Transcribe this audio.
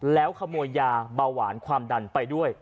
แล้วขโมยยาเบาหวานความดันไปด้วย